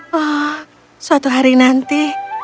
wah suatu hari nanti